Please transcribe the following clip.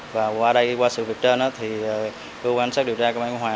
và qua đây qua sự việc trên thì cơ quan cảnh sát điều tra công an phố biên hòa